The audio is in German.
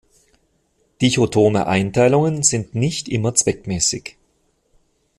Dichotome Einteilungen sind nicht immer zweckmäßig.